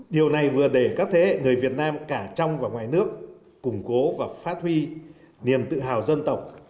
điều này vừa để các thế hệ người việt nam cả trong và ngoài nước củng cố và phát huy niềm tự hào dân tộc